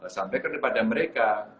sampaikan kepada mereka